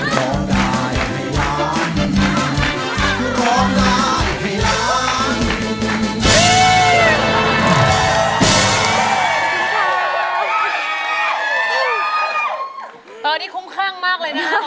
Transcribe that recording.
ชอบพลังในการเชียร์ของคุณมาก